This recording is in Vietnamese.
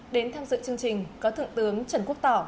đến tham dự chương trình có thượng tướng trần quốc tỏ